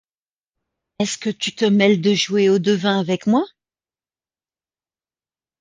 Est-ce que tu te mêles de jouer au devin avec moi?